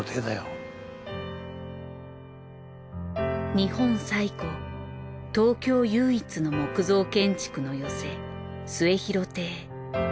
日本最古東京唯一の木造建築の寄席『末廣亭』。